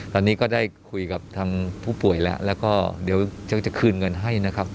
ตอนนี้ก็ได้คุยกับผู้ป่วยแล้วเดี๋ยวจะคืนเงินให้